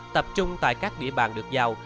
tập trung tại các địa bàn được giao